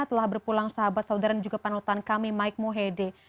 telah berpulang sahabat saudara dan juga panutan kami mike mohede